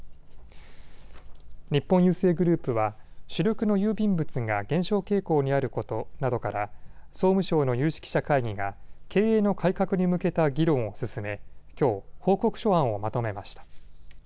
日本郵政グループは主力の郵便物が減少傾向にあることなどから総務省の有識者会議が経営の改革に向けた議論を進め、きょう、報告書案をまとめました。